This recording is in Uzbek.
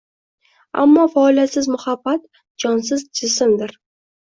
Ammo faoliyatsiz muhabbat — jonsiz jismdir.